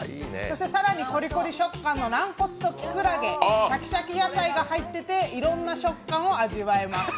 更にコリコリ食感の軟骨とキクラゲ、しゃきしゃき野菜が入っていて、いろいろな食感を味わえます。